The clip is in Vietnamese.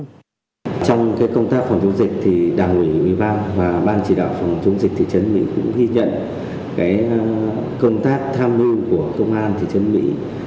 trong công tác phòng chống dịch thì đảng ủy ủy ban và ban chỉ đạo phòng chống dịch thị trấn mỹ cũng ghi nhận công tác tham mưu của công an thị trấn mỹ